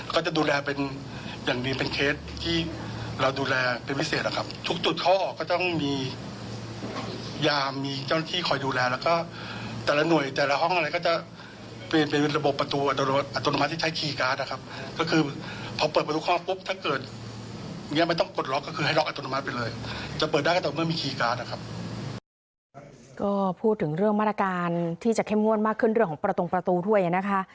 ก็พูดถึงเรื่องมาตรการที่จะเข้มงวดมากขึ้นเรื่องของประตงประตูด้วยนะคะ